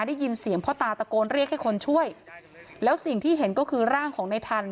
ได้ยินเสียงพ่อตาตะโกนเรียกให้คนช่วยแล้วสิ่งที่เห็นก็คือร่างของในทัน